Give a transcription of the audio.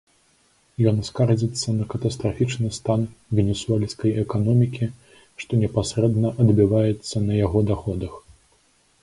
Ён скардзіцца на катастрафічны стан венесуэльскай эканомікі, што непасрэдна адбіваецца на яго даходах.